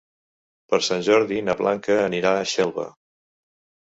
Per Sant Jordi na Blanca anirà a Xelva.